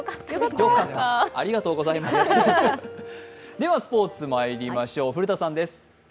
ではスポ−ツまいりましょう、古田さんです。